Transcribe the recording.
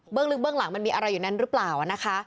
ลึกเบื้องหลังมันมีอะไรอยู่นั้นหรือเปล่านะคะ